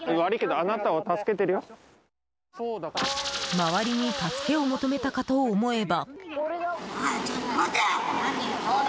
周りに助けを求めたかと思えば。